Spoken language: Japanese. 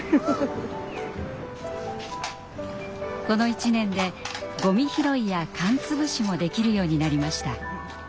この１年でゴミ拾いや缶潰しもできるようになりました。